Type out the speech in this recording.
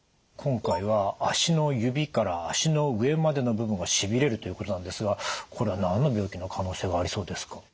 今回は足の指から足の上までの部分がしびれるということなんですがこれは何の病気の可能性がありそうですか？